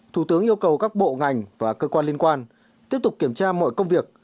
thủ tướng yêu cầu các bộ ngành và cơ quan liên quan tiếp tục kiểm tra mọi công việc